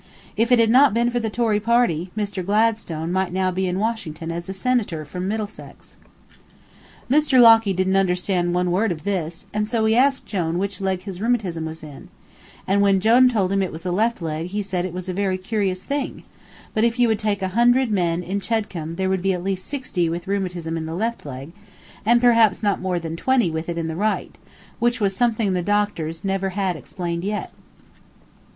If it had not been for the Tory party, Mr. Gladstone might now be in Washington as a senator from Middlesex." [Illustration: "I'm a Home Ruler"] Mr. Locky didn't understand one word of this, and so he asked Jone which leg his rheumatism was in; and when Jone told him it was his left leg he said it was a very curious thing, but if you would take a hundred men in Chedcombe there would be at least sixty with rheumatism in the left leg, and perhaps not more than twenty with it in the right, which was something the doctors never had explained yet.